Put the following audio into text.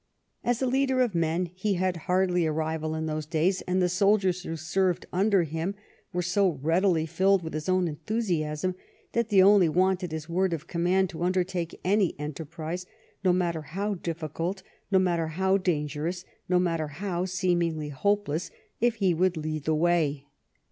As a leader of men he had hardly a rival in those days, and the soldiers who served under him were so readily filled with his own enthusiasm that they only wanted his word of command to undertake any enter prise, no matter how difficult, no matter how danger ous, no matter how seemingly hopeless, if he would lead the way.